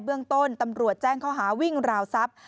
เบื้องต้นตำรวจแจ้งข้อหาวิ่งราวทรัพย์